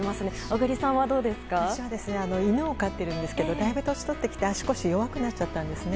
私は犬を飼っていますがだいぶ年を取ってきて足腰が弱くなっちゃったんですね。